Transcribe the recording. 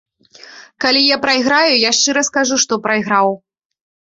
Калі я прайграю, я шчыра скажу, што прайграў.